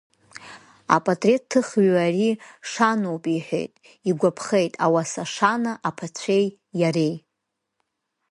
Апатреҭ ҭыхҩы ари шаноуп иҳәеит, игәаԥхеит ауаса шана аԥацәеи иареи.